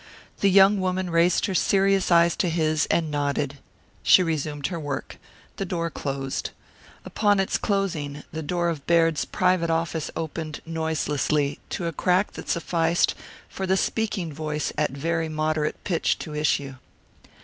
The young woman raised her serious eyes to his and nodded. She resumed her work. The door closed. Upon its closing the door of Baird's private office opened noiselessly to a crack that sufficed for the speaking voice at very moderate pitch to issue.